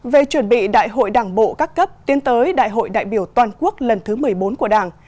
về chuẩn bị đại hội đảng bộ các cấp tiến tới đại hội đại biểu toàn quốc lần thứ một mươi bốn của đảng